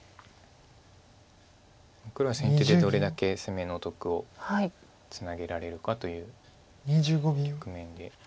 黒は先手でどれだけ攻めの得をつなげられるかという局面で。